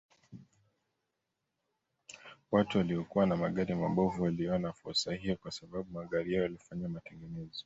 Watu waliokuwa na magari mabovu waliiona fursa hiyo kwa sababu magari yao yalifanyiwa matengenezo